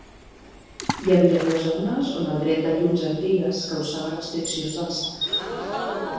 Hi havia dues zones on el dret de llums antigues causava restriccions d'alçada.